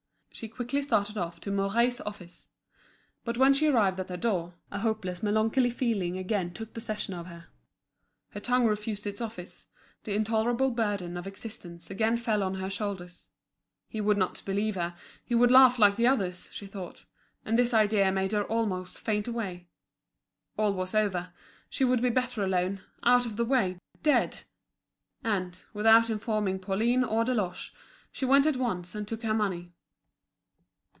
She quickly started off for Mouret's office. But when she arrived at the door, a hopeless melancholy feeling again took possession of her. Her tongue refused its office, the intolerable burden of existence again fell on her shoulders. He would not believe her, he would laugh like the others, she thought; and this idea made her almost faint away. All was over, she would be better alone, out of the way, dead! And, without informing Pauline or Deloche, she went at once and took her money.